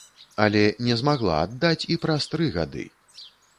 Але не змагла аддаць і праз тры гады.